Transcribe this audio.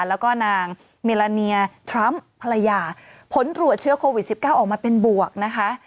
แล้วก็นางเมลาเนียทรัมป์ภรรยาผลตรวจเชื้อโควิด๑๙ออกมาเป็นบวกนะคะ